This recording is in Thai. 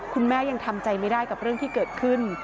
แม่ยังทำใจไม่ได้กับเรื่องที่เกิดขึ้น